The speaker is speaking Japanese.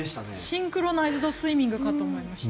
シンクロナイズド・スイミングかと思いました。